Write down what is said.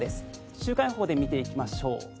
週間予報で見ていきましょう。